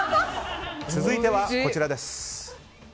続いてはこちらです。